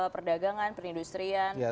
perdagangan perindustrian lhk